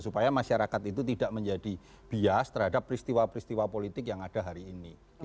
supaya masyarakat itu tidak menjadi bias terhadap peristiwa peristiwa politik yang ada hari ini